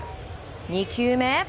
２球目。